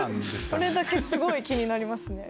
これだけすごい気になりますね。